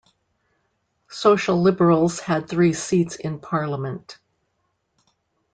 Social-liberals had three seats in Parliament.